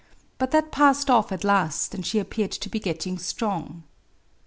But that passed off at last, and she appeared to be getting strong.